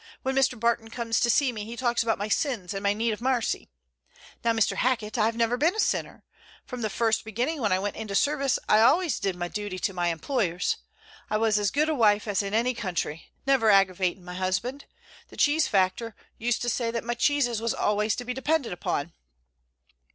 When Mr. Barton comes to see me he talks about my sins and my need of marcy. Now, Mr. Hackett, I've never been a sinner. From the first beginning, when I went into service, I've al'ys did my duty to my employers. I was as good a wife as any in the country, never aggravating my husband. The cheese factor used to say that my cheeses was al'ys to be depended upon.'"